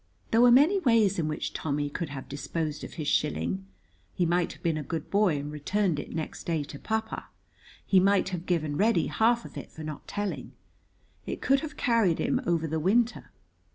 There were many ways in which Tommy could have disposed of his shilling. He might have been a good boy and returned it next day to Papa. He might have given Reddy half of it for not telling. It could have carried him over the winter.